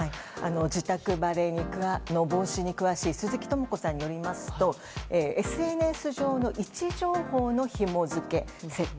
自宅バレの防止に詳しい鈴木朋子さんによりますとＳＮＳ上の位置情報のひも付け設定。